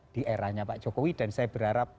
di eranya pak jokowi dan saya berharap